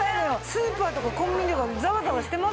スーパーとかコンビニとかざわざわしてますもんね。